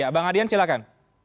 ya bang adrian silakan